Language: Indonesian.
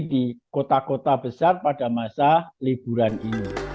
di kota kota besar pada masa liburan ini